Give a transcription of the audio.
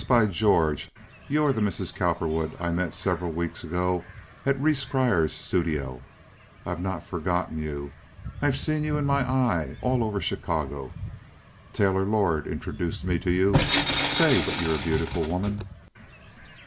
By George! You're the Mrs. Cowperwood I met several weeks ago at Rhees Grier's studio. I've not forgotten you. I've seen you in my eye all over Chicago. Taylor Lord introduced me to you. Say, but you're a beautiful woman!"